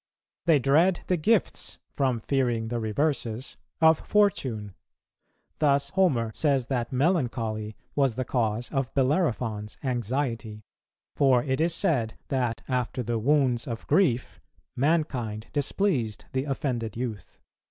They dread the gifts, from fearing the reverses, of fortune. Thus Homer says that melancholy was the cause of Bellerophon's anxiety; for it is said that after the wounds of grief mankind displeased the offended youth."